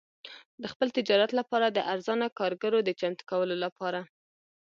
د خپل تجارت لپاره د ارزانه کارګرو د چمتو کولو لپاره.